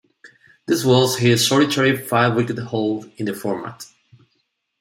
This was his solitary five-wicket haul in the format.